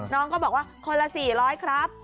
น้องก็บอกว่าคนละสี่ร้อยครับ